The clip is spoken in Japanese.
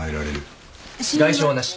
外傷はなし。